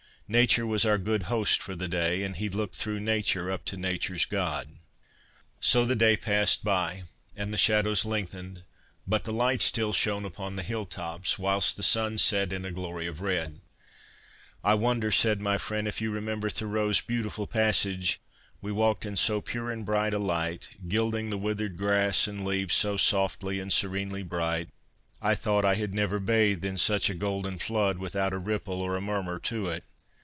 Nature was our ' good host ' for the day, and he ' looked through Nature up to Nature's God.' So the day passed by, and the shadows lengthened, but the light still shone upon the hill tops ; whilst the sun set in a glory of red. ' I wonder,' said my friend, ' if you remember Thoreau's beautiful pas sage :" We walked in so pure and bright a light, gilding the withered grass and leaves, so softly and serenely bright, I thought I had never bathed in such a golden flood, without a ripple or a murmur to it.